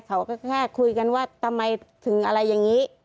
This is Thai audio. เขาก็แค่คุยกันว่าทำไมถึงอะไรอย่างนี้